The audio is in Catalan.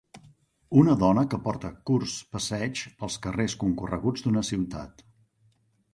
Una dona que porta curts passeigs pels carrers concorreguts d'una ciutat.